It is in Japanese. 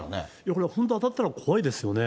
これ本当に当たったら怖いですよね。